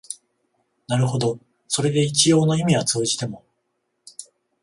なるほどそれで一応の意味は通じても、